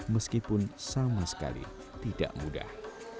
meskipun sama sekali tidak mudah